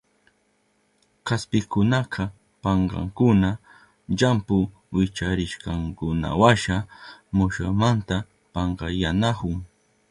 Kaspikunaka pankankuna llampu wicharishkankunawasha mushumanta pankayanahun.